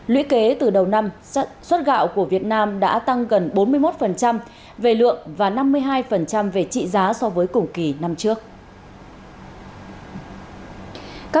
lũy kế từ đầu năm xuất gạo của việt nam đã tăng gần bốn mươi một về lượng và năm mươi hai về trị giá so với cùng kỳ năm trước